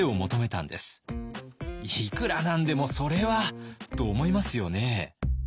いくら何でもそれはと思いますよね。